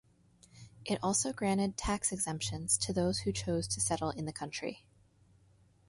It also granted tax exemptions to those who chose to settle in the country.